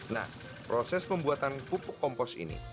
nah proses pembuatan pupuk kompos ini